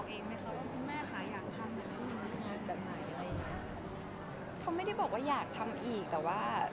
แบบไหนอะไรอย่างนี้เขาไม่ได้บอกว่าอยากทำอีกแต่ว่า